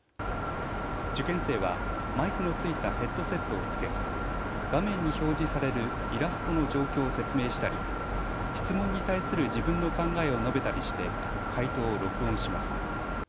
受験生はマイクの付いたヘッドセットを着け画面に表示されるイラストの状況を説明したり質問に対する自分の考えを述べたりして解答を録音します。